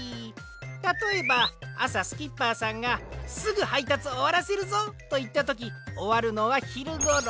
たとえばあさスキッパーさんが「すぐはいたつおわらせるぞ」といったときおわるのはひるごろ。